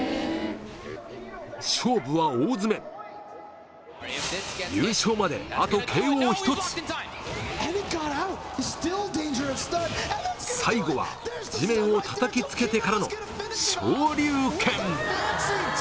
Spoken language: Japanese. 勝負は大詰め優勝まであとＫＯ１つ最後は地面を叩きつけてからの昇龍拳！